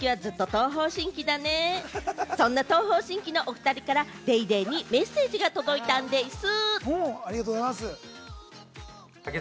そんな東方神起のお二人から『ＤａｙＤａｙ．』にメッセージが届いたんでぃす！